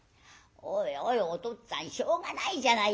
「おいおいおとっつぁんしょうがないじゃないか。